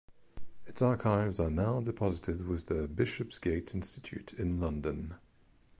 Its archives are now deposited with the Bishopsgate Institute in London.